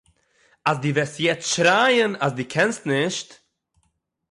אז די וועסט יעצט שרייען אז די קענסט נישט